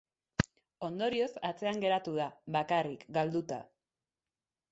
Ondorioz, atzean geratu da, bakarrik, galduta.